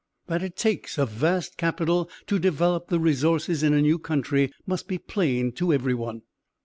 That it takes a vast capital to develop the resources in a new country must be plain to every one.